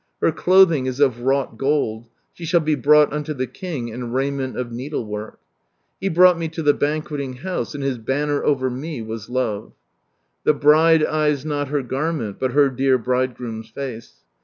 Her clothing is of wrought gold : She shall be brought unto the King, in raiment of needlework." He brought me to the banqueting house, and His banner over me was Love I "The bride ey« not her garment, But her dear Bridegroom's face.